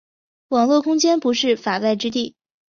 网络空间不是“法外之地”。